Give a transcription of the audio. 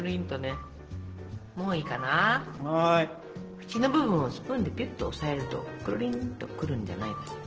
フチの部分をスプーンでぴゅっと押さえるとくるりんとくるんじゃないかしら。